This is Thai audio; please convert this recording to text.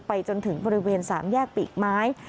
จนถึงบริเวณ๓แยกปีกไม้